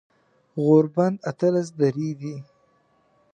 غوربند اتلس درې دی